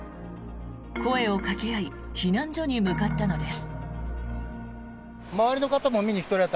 声をかけ合い避難所に向かったのです。